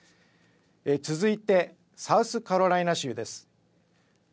続いてサウスカロライナ州です。